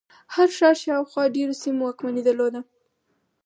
هر ښار شاوخوا ډېرو سیمو واکمني درلوده.